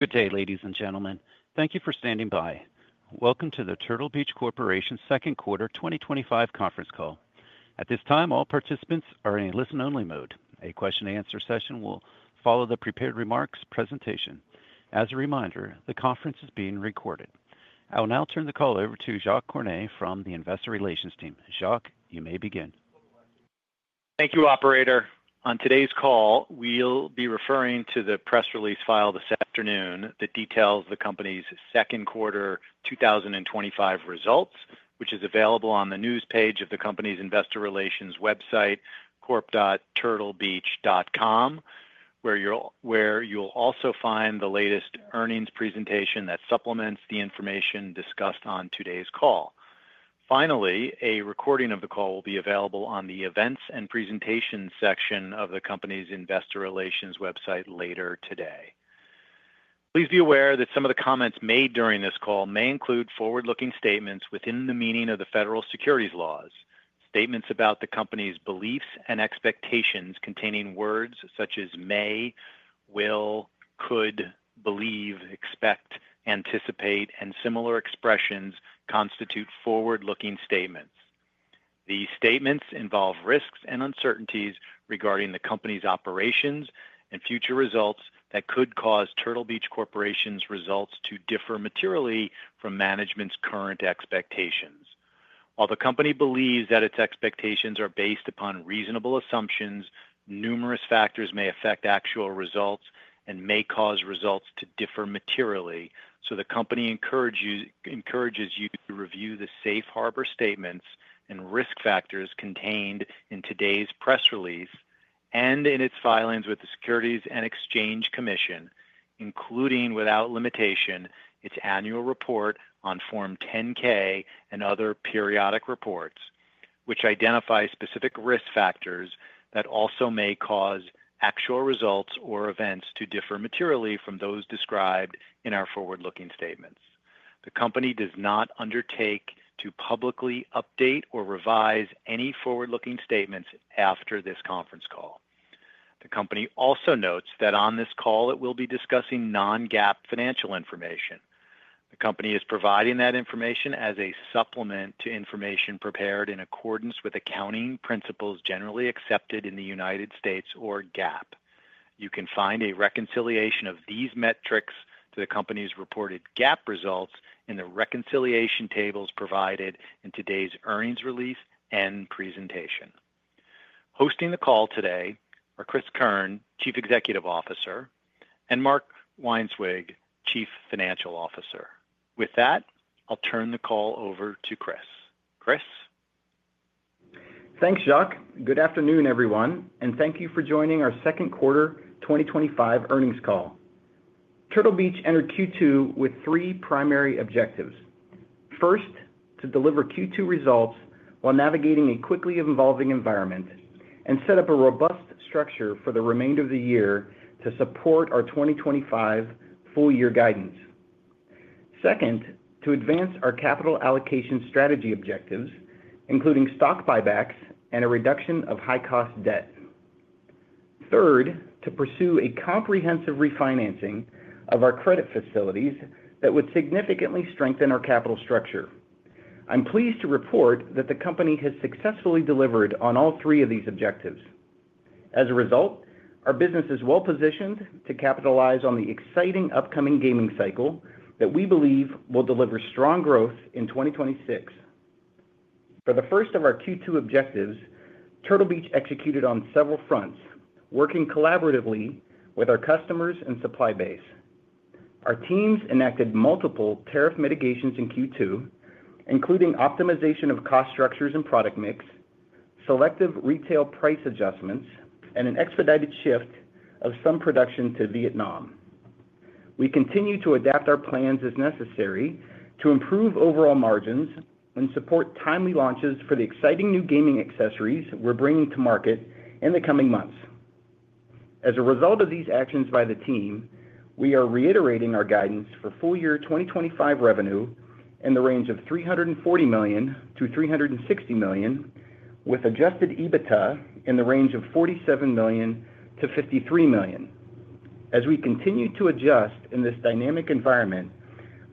Good day, ladies and gentlemen. Thank you for standing by. Welcome to the Turtle Beach Corporation's Second Quarter 2025 Conference Call. At this time, all participants are in a listen-only mode. A question-and-answer session will follow the prepared remarks presentation. As a reminder, the conference is being recorded. I will now turn the call over to Jacques Cornet from the Investor Relations team. Jacques, you may begin. Thank you, operator. On today's call, we'll be referring to the press release filed this afternoon that details the company's second quarter 2025 results, which is available on the news page of the company's investor relations website, corp.turtlebeach.com, where you'll also find the latest earnings presentation that supplements the information discussed on today's call. Finally, a recording of the call will be available on the events and presentations section of the company's investor relations website later today. Please be aware that some of the comments made during this call may include forward-looking statements within the meaning of the federal securities laws. Statements about the company's beliefs and expectations containing words such as "may," "will," "could," "believe," "expect," "anticipate," and similar expressions constitute forward-looking statements. These statements involve risks and uncertainties regarding the company's operations and future results that could cause Turtle Beach Corporation's results to differ materially from management's current expectations. While the company believes that its expectations are based upon reasonable assumptions, numerous factors may affect actual results and may cause results to differ materially, so the company encourages you to review the safe harbor statements and risk factors contained in today's press release and in its filings with the Securities and Exchange Commission, including without limitation, its annual report on Form 10-K and other periodic reports, which identify specific risk factors that also may cause actual results or events to differ materially from those described in our forward-looking statements. The company does not undertake to publicly update or revise any forward-looking statements after this conference call. The company also notes that on this call, it will be discussing non-GAAP financial information. The company is providing that information as a supplement to information prepared in accordance with accounting principles generally accepted in the United States, or GAAP. You can find a reconciliation of these metrics to the company's reported GAAP results in the reconciliation tables provided in today's earnings release and presentation. Hosting the call today are Cris Keirn, Chief Executive Officer, and Mark Weinswig, Chief Financial Officer. With that, I'll turn the call over to Cris. Cris? Thanks, Jack. Good afternoon, everyone, and thank you for joining our second quarter 2025 earnings call. Turtle Beach entered Q2 with three primary objectives. First, to deliver Q2 results while navigating a quickly evolving environment and set up a robust structure for the remainder of the year to support our 2025 full-year guidance. Second, to advance our capital allocation strategy objectives, including stock buybacks and a reduction of high-cost debt. Third, to pursue a comprehensive refinancing of our credit facilities that would significantly strengthen our capital structure. I'm pleased to report that the company has successfully delivered on all three of these objectives. As a result, our business is well-positioned to capitalize on the exciting upcoming gaming cycle that we believe will deliver strong growth in 2026. For the first of our Q2 objectives, Turtle Beach executed on several fronts, working collaboratively with our customers and supply base. Our teams enacted multiple tariff mitigations in Q2, including optimization of cost structures and product mix, selective retail price adjustments, and an expedited shift of some production to Vietnam. We continue to adapt our plans as necessary to improve overall margins and support timely launches for the exciting new gaming accessories we're bringing to market in the coming months. As a result of these actions by the team, we are reiterating our guidance for full-year 2025 revenue in the range of $340 million-$360 million, with adjusted EBITDA in the range of $47 million-$53 million. As we continue to adjust in this dynamic environment,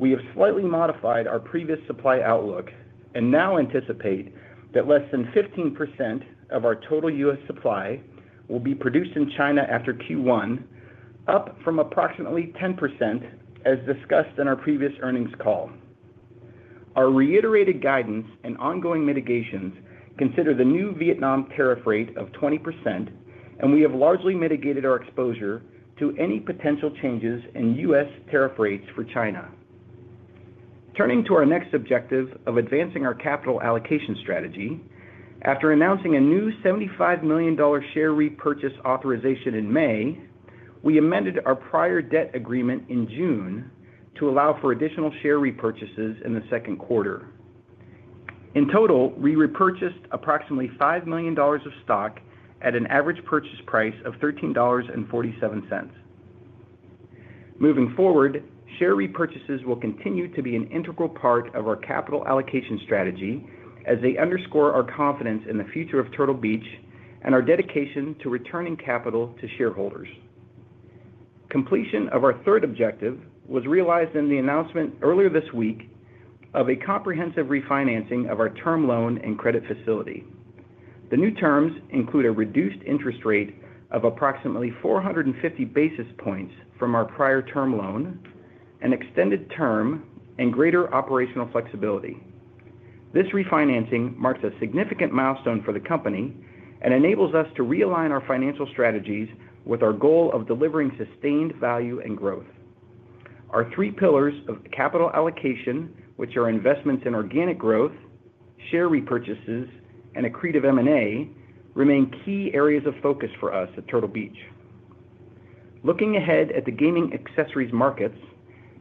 we have slightly modified our previous supply outlook and now anticipate that less than 15% of our total U.S. supply will be produced in China after Q1, up from approximately 10% as discussed in our previous earnings call. Our reiterated guidance and ongoing mitigations consider the new Vietnam tariff rate of 20%, and we have largely mitigated our exposure to any potential changes in U.S. tariff rates for China. Turning to our next objective of advancing our capital allocation strategy, after announcing a new $75 million share repurchase authorization in May, we amended our prior debt agreement in June to allow for additional share repurchases in the second quarter. In total, we repurchased approximately $5 million of stock at an average purchase price of $13.47. Moving forward, share repurchases will continue to be an integral part of our capital allocation strategy as they underscore our confidence in the future of Turtle Beach and our dedication to returning capital to shareholders. Completion of our third objective was realized in the announcement earlier this week of a comprehensive refinancing of our term loan and credit facility. The new terms include a reduced interest rate of approximately 450 basis points from our prior term loan, an extended term, and greater operational flexibility. This refinancing marks a significant milestone for the company and enables us to realign our financial strategies with our goal of delivering sustained value and growth. Our three pillars of capital allocation, which are investments in organic growth, share repurchases, and accretive M&A, remain key areas of focus for us at Turtle Beach. Looking ahead at the gaming accessories markets,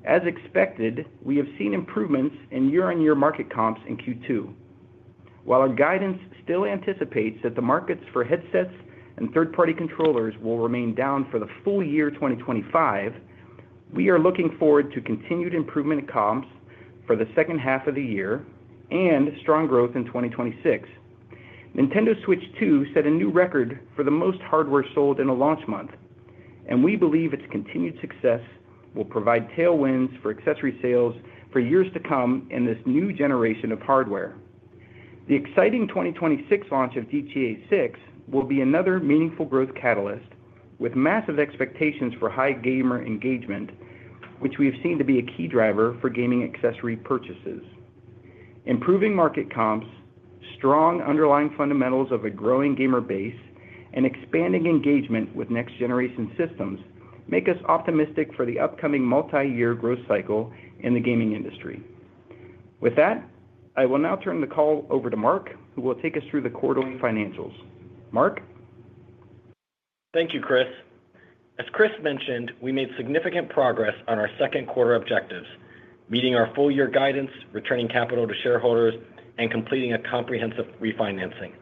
as expected, we have seen improvements in year-over-year market comps in Q2. While our guidance still anticipates that the markets for headsets and third-party controllers will remain down for the full year 2025, we are looking forward to continued improvement in comps for the second half of the year and strong growth in 2026. Nintendo Switch 2 set a new record for the most hardware sold in a launch month, and we believe its continued success will provide tailwinds for accessory sales for years to come in this new generation of hardware. The exciting 2026 launch of GTA VI will be another meaningful growth catalyst, with massive expectations for high gamer engagement, which we have seen to be a key driver for gaming accessory purchases. Improving market comps, strong underlying fundamentals of a growing gamer base, and expanding engagement with next-generation systems make us optimistic for the upcoming multi-year growth cycle in the gaming industry. With that, I will now turn the call over to Mark, who will take us through the quarterly financials. Mark? Thank you, Cris. As Cris mentioned, we made significant progress on our second quarter objectives, meeting our full-year guidance, returning capital to shareholders, and completing a comprehensive refinancing.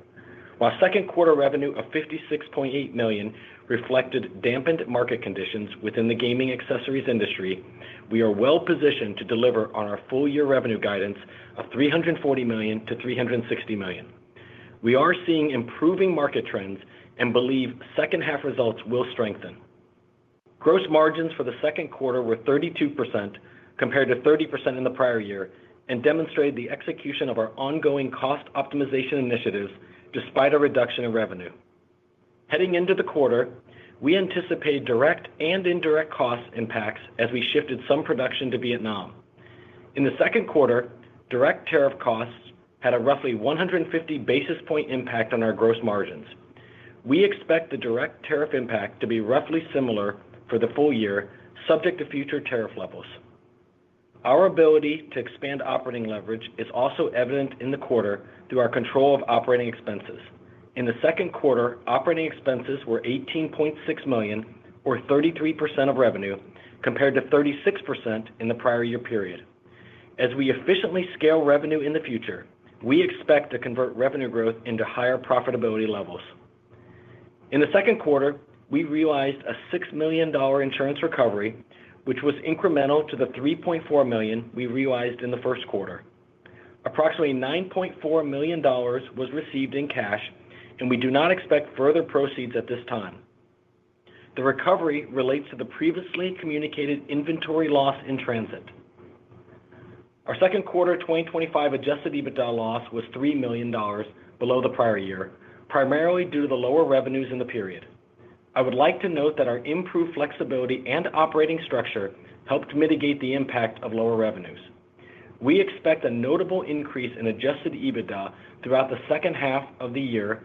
While second quarter revenue of $56.8 million reflected dampened market conditions within the gaming accessories industry, we are well-positioned to deliver on our full-year revenue guidance of $340 million-$360 million. We are seeing improving market trends and believe second-half results will strengthen. Gross margins for the second quarter were 32% compared to 30% in the prior year and demonstrate the execution of our ongoing cost optimization initiatives despite a reduction in revenue. Heading into the quarter, we anticipated direct and indirect cost impacts as we shifted some production to Vietnam. In the second quarter, direct tariff costs had a roughly 150 basis point impact on our gross margins. We expect the direct tariff impact to be roughly similar for the full year subject to future tariff levels. Our ability to expand operating leverage is also evident in the quarter through our control of operating expenses. In the second quarter, operating expenses were $18.6 million, or 33% of revenue compared to 36% in the prior year period. As we efficiently scale revenue in the future, we expect to convert revenue growth into higher profitability levels. In the second quarter, we realized a $6 million insurance recovery, which was incremental to the $3.4 million we realized in the first quarter. Approximately $9.4 million was received in cash, and we do not expect further proceeds at this time. The recovery relates to the previously communicated inventory loss in transit. Our second quarter 2025 adjusted EBITDA loss was $3 million below the prior year, primarily due to the lower revenues in the period. I would like to note that our improved flexibility and operating structure helped mitigate the impact of lower revenues. We expect a notable increase in adjusted EBITDA throughout the second half of the year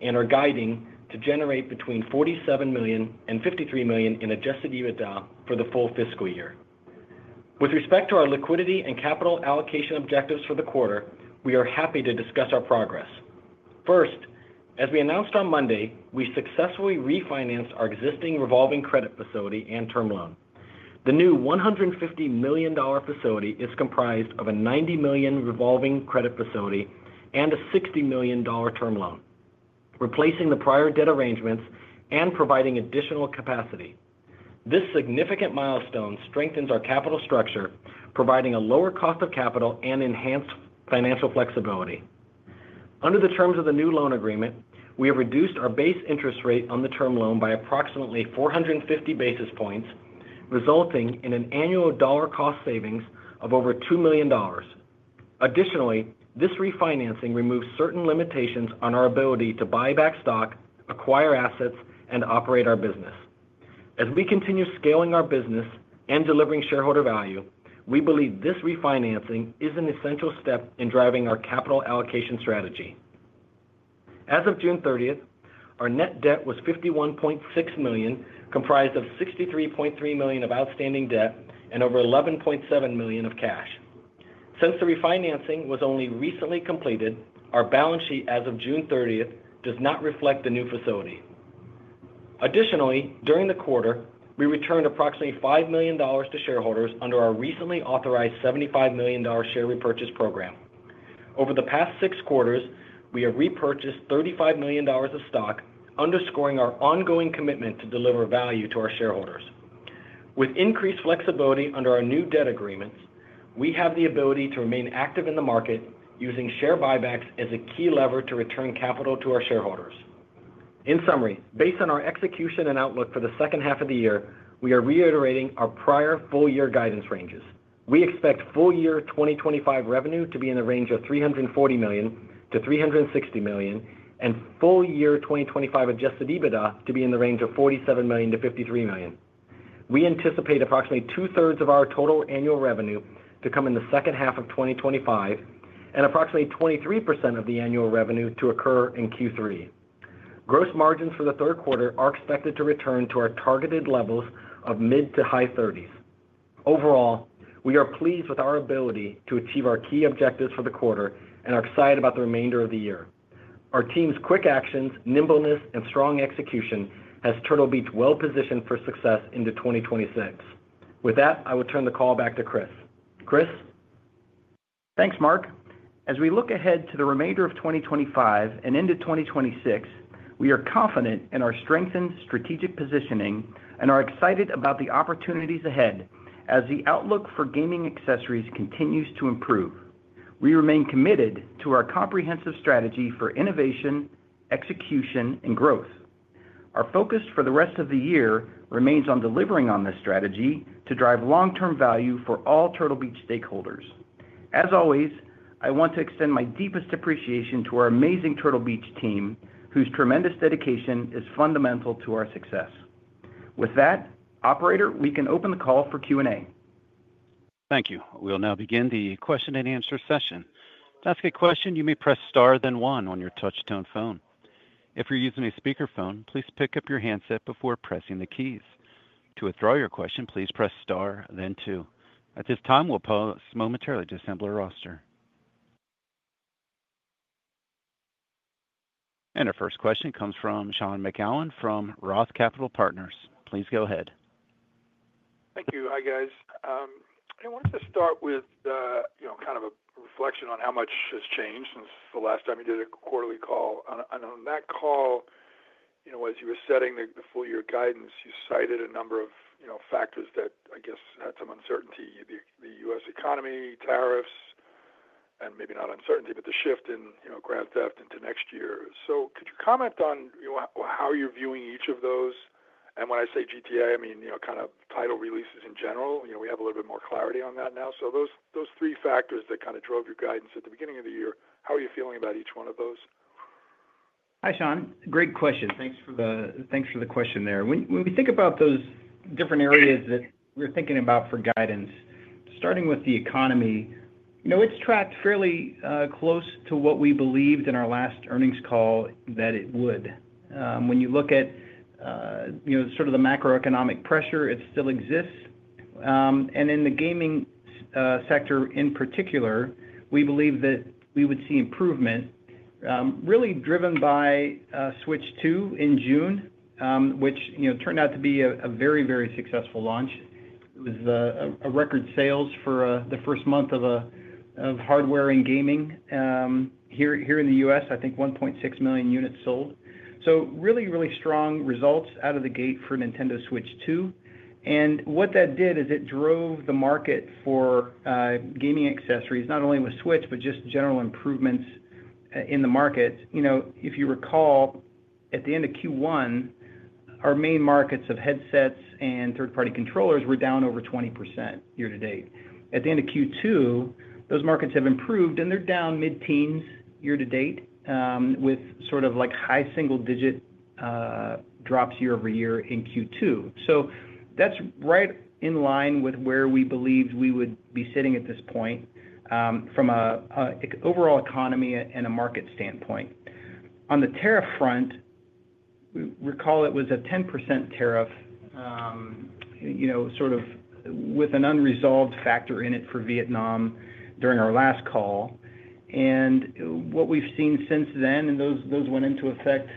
and are guiding to generate between $47 million and $53 million in adjusted EBITDA for the full fiscal year. With respect to our liquidity and capital allocation objectives for the quarter, we are happy to discuss our progress. First, as we announced on Monday, we successfully refinanced our existing revolving credit facility and term loan. The new $150 million facility is comprised of a $90 million revolving credit facility and a $60 million term loan, replacing the prior debt arrangements and providing additional capacity. This significant milestone strengthens our capital structure, providing a lower cost of capital and enhanced financial flexibility. Under the terms of the new loan agreement, we have reduced our base interest rate on the term loan by approximately 450 basis points, resulting in an annual dollar cost savings of over $2 million. Additionally, this refinancing removes certain limitations on our ability to buy back stock, acquire assets, and operate our business. As we continue scaling our business and delivering shareholder value, we believe this refinancing is an essential step in driving our capital allocation strategy. As of June 30th, our net debt was $51.6 million, comprised of $63.3 million of outstanding debt and over $11.7 million of cash. Since the refinancing was only recently completed, our balance sheet as of June 30th does not reflect the new facility. Additionally, during the quarter, we returned approximately $5 million to shareholders under our recently authorized $75 million share repurchase program. Over the past six quarters, we have repurchased $35 million of stock, underscoring our ongoing commitment to deliver value to our shareholders. With increased flexibility under our new debt agreements, we have the ability to remain active in the market, using share buybacks as a key lever to return capital to our shareholders. In summary, based on our execution and outlook for the second half of the year, we are reiterating our prior full-year guidance ranges. We expect full-year 2025 revenue to be in the range of $340 million-$360 million, and full-year 2025 adjusted EBITDA to be in the range of $47 million-$53 million. We anticipate approximately two-thirds of our total annual revenue to come in the second half of 2025 and approximately 23% of the annual revenue to occur in Q3. Gross margins for the third quarter are expected to return to our targeted levels of mid to high 30s. Overall, we are pleased with our ability to achieve our key objectives for the quarter and are excited about the remainder of the year. Our team's quick actions, nimbleness, and strong execution have Turtle Beach well-positioned for success into 2026. With that, I will turn the call back to Cris. Cris? Thanks, Mark. As we look ahead to the remainder of 2025 and into 2026, we are confident in our strengthened strategic positioning and are excited about the opportunities ahead as the outlook for gaming accessories continues to improve. We remain committed to our comprehensive strategy for innovation, execution, and growth. Our focus for the rest of the year remains on delivering on this strategy to drive long-term value for all Turtle Beach stakeholders. As always, I want to extend my deepest appreciation to our amazing Turtle Beach team, whose tremendous dedication is fundamental to our success. With that, operator, we can open the call for Q&A. Thank you. We'll now begin the question-and-answer session. To ask a question, you may press star then one on your touch-tone phone. If you're using a speaker phone, please pick up your handset before pressing the keys. To withdraw your question, please press star and then two. At this time, we'll pause momentarily to assemble a roster. Our first question comes from Sean McGowan from ROTH Capital Partners. Please go ahead. Thank you. Hi, guys. I wanted to start with kind of a reflection on how much has changed since the last time we did a quarterly call. On that call, as you were setting the full-year guidance, you cited a number of factors that, I guess, had some uncertainty: the U.S. economy, tariffs, and maybe not uncertainty, but the shift in Grand Theft into next year. Could you comment on how you're viewing each of those? When I say GTA, I mean, you know, kind of title releases in general. We have a little bit more clarity on that now. Those three factors that kind of drove your guidance at the beginning of the year, how are you feeling about each one of those? Hi, Sean. Great question. Thanks for the question there. When we think about those different areas that we're thinking about for guidance, starting with the economy, it's tracked fairly close to what we believed in our last earnings call that it would. When you look at, you know, sort of the macroeconomic pressure, it still exists. In the gaming sector in particular, we believe that we would see improvement really driven by Switch 2 in June, which turned out to be a very, very successful launch. It was record sales for the first month of hardware and gaming here in the U.S. I think 1.6 million units sold. Really, really strong results out of the gate for Nintendo Switch 2. What that did is it drove the market for gaming accessories, not only with Switch, but just general improvements in the markets. If you recall, at the end of Q1, our main markets of headsets and third-party controllers were down over 20% year to date. At the end of Q2, those markets have improved and they're down mid-teens year to date with sort of like high single-digit drops year over year in Q2. That's right in line with where we believed we would be sitting at this point from an overall economy and a market standpoint. On the tariff front, we recall it was a 10% tariff, sort of with an unresolved factor in it for Vietnam during our last call. What we've seen since then, and those went into effect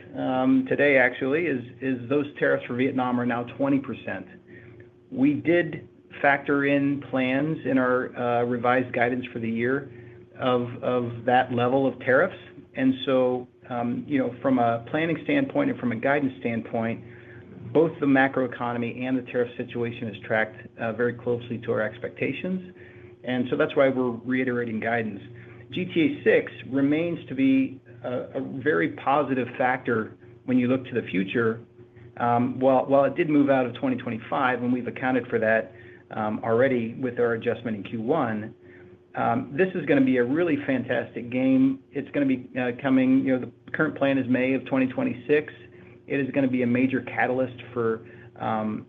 today, actually, is those tariffs for Vietnam are now 20%. We did factor in plans in our revised guidance for the year of that level of tariffs. From a planning standpoint and from a guidance standpoint, both the macroeconomy and the tariff situation are tracked very closely to our expectations. That's why we're reiterating guidance. GTA VI remains to be a very positive factor when you look to the future. While it did move out of 2025, and we've accounted for that already with our adjustment in Q1, this is going to be a really fantastic game. It's going to be coming, the current plan is May of 2026. It is going to be a major catalyst for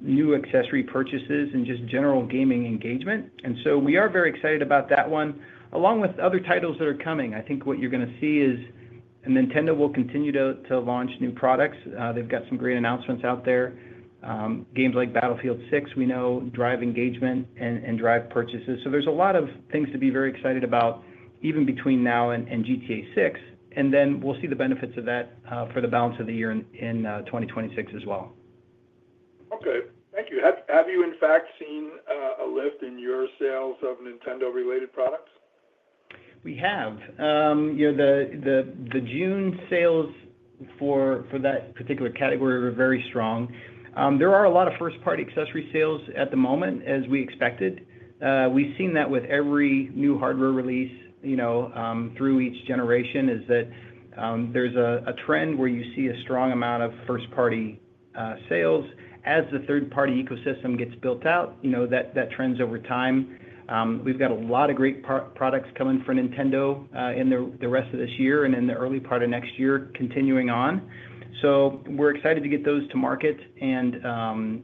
new accessory purchases and just general gaming engagement. We are very excited about that one, along with other titles that are coming. I think what you're going to see is Nintendo will continue to launch new products. They've got some great announcements out there. Games like Battlefield 6, we know, drive engagement and drive purchases. There are a lot of things to be very excited about, even between now and GTA VI. We will see the benefits of that for the balance of the year in 2026 as well. Have you, in fact, seen a lift in your sales of Nintendo-related products? We have. The June sales for that particular category were very strong. There are a lot of first-party accessory sales at the moment, as we expected. We've seen that with every new hardware release through each generation, there is a trend where you see a strong amount of first-party sales. As the third-party ecosystem gets built out, that trends over time. We've got a lot of great products coming for Nintendo in the rest of this year and in the early part of next year, continuing on. We're excited to get those to market and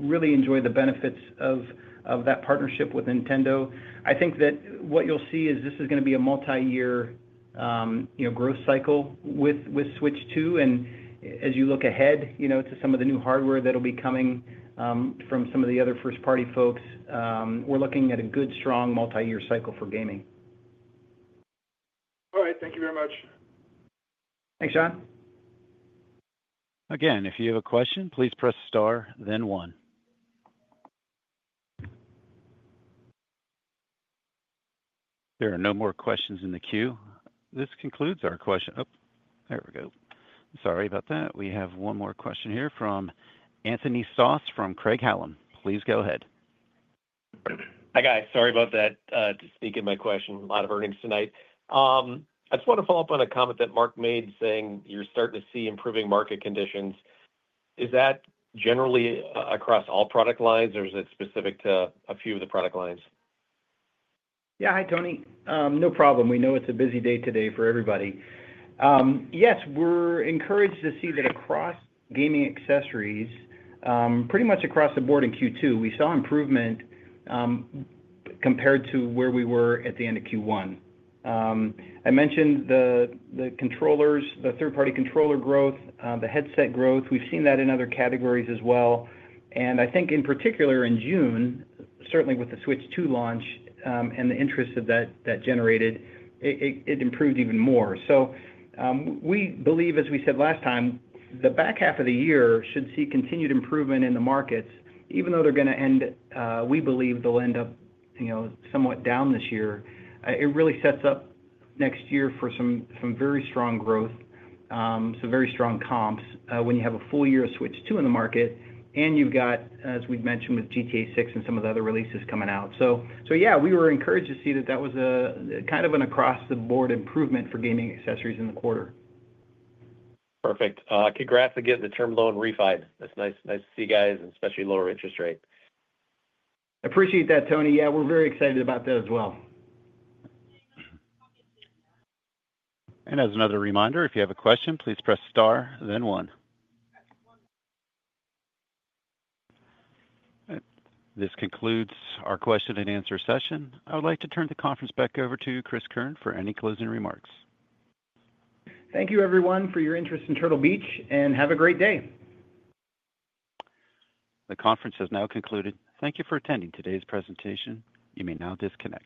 really enjoy the benefits of that partnership with Nintendo. I think that what you'll see is this is going to be a multi-year growth cycle with Switch 2. As you look ahead to some of the new hardware that'll be coming from some of the other first-party folks, we're looking at a good, strong multi-year cycle for gaming. All right, thank you very much. Thanks, Sean. Again, if you have a question, please press star then one. There are no more questions in the queue. This concludes our question. Oh, there we go. Sorry about that. We have one more question here from Anthony Stoss from Craig-Hallum Capital. Please go ahead. Hi, guys. Sorry about that. Speaking of my question, a lot of earnings tonight. I just want to follow up on a comment that Mark made saying you're starting to see improving market conditions. Is that generally across all product lines, or is it specific to a few of the product lines? Yeah, hi, Tony. No problem. We know it's a busy day today for everybody. Yes, we're encouraged to see that across gaming accessories, pretty much across the board in Q2, we saw improvement compared to where we were at the end of Q1. I mentioned the controllers, the third-party controller growth, the headset growth. We've seen that in other categories as well. I think in particular in June, certainly with the Switch 2 launch and the interest that that generated, it improved even more. We believe, as we said last time, the back half of the year should see continued improvement in the markets. Even though they're going to end, we believe they'll end up, you know, somewhat down this year. It really sets up next year for some very strong growth, some very strong comps when you have a full year of Switch 2 in the market, and you've got, as we've mentioned with GTA VI and some of the other releases coming out. Yeah, we were encouraged to see that that was kind of an across-the-board improvement for gaming accessories in the quarter. Perfect. I could graph again, the term loan refined. That's nice. Nice to see you guys, and especially lower interest rate. I appreciate that, Tony. Yeah, we're very excited about that as well. As another reminder, if you have a question, please press star then one. This concludes our question-and-answer session. I would like to turn the conference back over to Cris Keirn for any closing remarks. Thank you, everyone, for your interest in Turtle Beach, and have a great day. The conference has now concluded. Thank you for attending today's presentation. You may now disconnect.